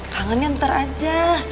kangennya ntar aja